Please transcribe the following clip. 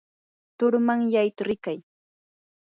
turmanyayta rikay.